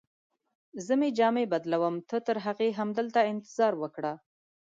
زه مې جامې بدلوم، ته ترهغې همدلته انتظار وکړه.